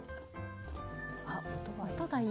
あっ音がいい。